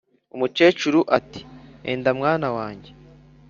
umukecuru ati"enda mwana wanjye